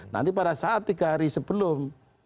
nanti pada saat tiga hari sebelum